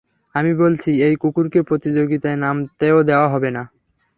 আমি বলছি, এই কুকুরকে প্রতিযোগিতায় নামতেও দেয়া হবে না।